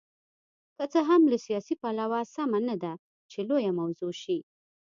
که څه هم له سیاسي پلوه سمه نه ده چې لویه موضوع شي.